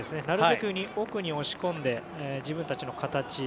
なるべく奥に押し込んで自分たちの形。